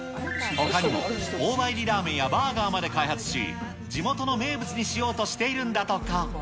ほかにも、大葉入りラーメンやバーガーまで開発し、地元の名物にしようとしているんだとか。